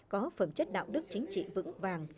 có phẩm chất đạo đức chính trị vững vàng